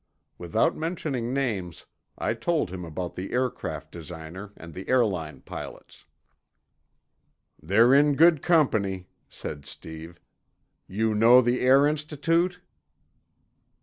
Without mentioning names, I told him about the aircraft designer and the airline pilots. "They're in good company," said Steve. "You know the Air Institute?"